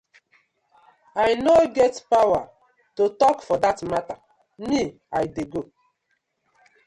I no get powaar to tok for dat matta, me I dey go.